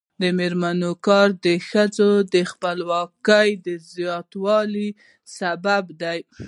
د میرمنو کار د ښځو خپلواکۍ زیاتولو سبب دی.